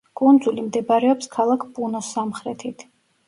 კუნძული მდებარეობს ქალაქ პუნოს სამხრეთით.